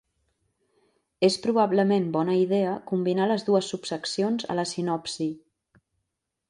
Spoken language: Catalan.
És probablement bona idea combinar les dues subseccions a la sinopsi.